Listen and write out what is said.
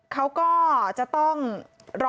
เขาก็จะต้องรอ